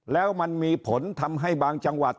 แล้วมันมีผลทำให้บางจังหวัด